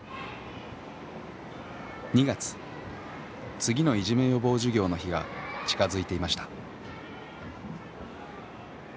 次のいじめ予防授業の日が近づいていました。